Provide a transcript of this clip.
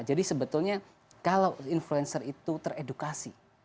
jadi sebetulnya kalau influencer itu teredukasi